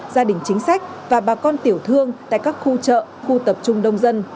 gia đình chính sách và bà con tiểu thương tại các khu chợ khu tập trung đông dân